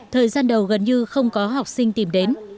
thời gian đầu gần như không có học sinh tìm đến